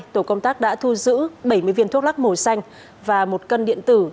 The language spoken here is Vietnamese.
tổ công tác đã thu giữ bảy mươi viên thuốc lắc màu xanh và một cân điện tử